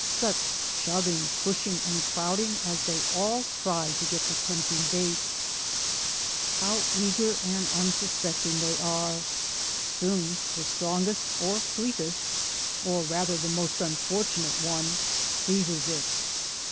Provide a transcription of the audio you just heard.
Such shoving, pushing and crowding as they all try to get the tempt ing bait. How eager and unsuspecting they are. Soon the strongest or fleetest, or rather the most unfortunate one seizes it.